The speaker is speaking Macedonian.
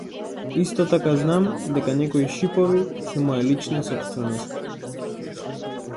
Исто така знам дека некои шипови се моја лична сопственост.